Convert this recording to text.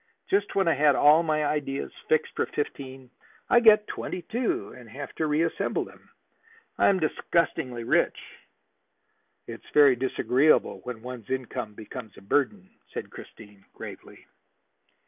Just when I had all my ideas fixed for fifteen, I get twenty two and have to reassemble them. I am disgustingly rich." "It is very disagreeable when one's income becomes a burden," said Christine gravely.